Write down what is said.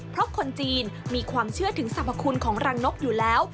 เพราะคนจีนมีความเชื่อถึงสรรพคุณของรังนกอยู่แล้ว